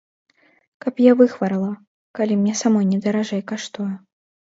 Каб я выхварала, калі мне самой не даражэй каштуе!